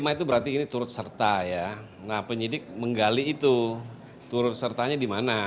lima itu berarti ini turut serta ya nah penyidik menggali itu turut sertanya di mana